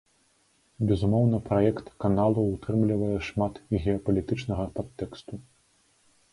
Безумоўна, праект каналу ўтрымлівае шмат геапалітычнага падтэксту.